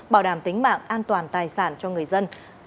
bảo đảm tính mạng an toàn tài sản cho người dân